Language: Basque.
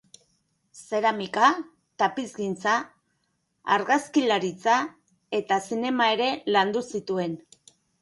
Zeramika, tapizgintza, argazkilaritza eta zinema ere landu zituen.